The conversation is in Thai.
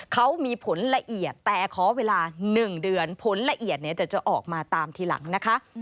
เขามีผลละเอียดแต่ขอเวลา๑เดือนผลละเอียดจะออกมาตามทีหลังนะคะ